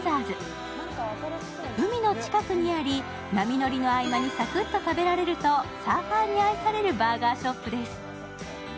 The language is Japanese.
海の近くにあり、波乗りの合間にサクッと食べられるとサーファーに愛されるバーガーショップです。